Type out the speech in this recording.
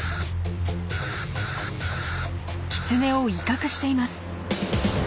キツネを威嚇しています。